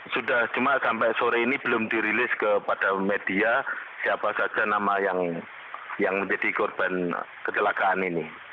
sudah cuma sampai sore ini belum dirilis kepada media siapa saja nama yang menjadi korban kecelakaan ini